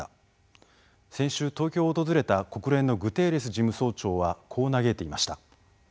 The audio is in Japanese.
先週東京を訪れた国連のグテーレス事務総長はこう嘆いていました。